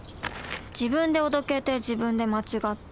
自分でおどけて自分で間違って。